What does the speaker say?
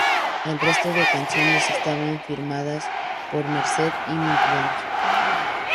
El resto de canciones estaban firmadas por Mercer y Million.